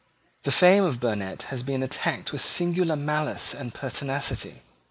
The fame of Burnet has been attacked with singular malice and pertinacity.